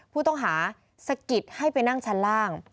ผู้ต้องหาสะกิดให้ไปนั่งชั้นล่าง